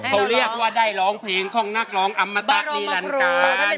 เขาเรียกว่าได้ร้องเพลงของนักร้องอมตะนีรันการ